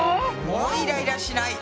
もうイライラしない！